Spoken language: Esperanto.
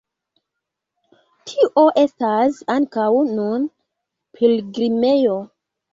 Tio estas ankaŭ nun pilgrimejo.